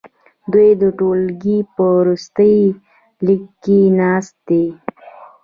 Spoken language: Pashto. دوی د ټوولګي په وروستي لیکه کې ناست دي.